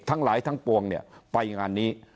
ทั้งหลายทั้งปวงไปงานนี้